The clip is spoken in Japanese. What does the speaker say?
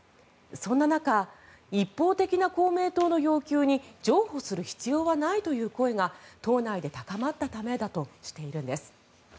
そんな中一方的な公明党の要求に譲歩する必要はないという声が党内で高まったためだとしているんです。